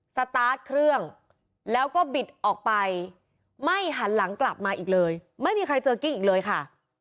สตาร์ทเครื่องแล้วก็บิดออกไปไม่หันหลังกลับมาอีกเลยไม่มีใครเจอกิ้งอีกเลยค่ะ